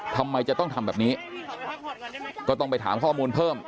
ทำไมจะต้องทำแบบนี้ก็ต้องไปถามข้อมูลเพิ่ม